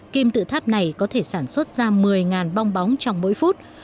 kim tự tháp này có thể sản xuất ra một mươi bong bóng trong mỗi phút